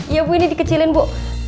ya bu ini dikecilin bu